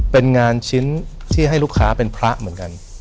เป็นงานชิ้นที่ให้ลูกค้าเป็นพระเหมือนกัน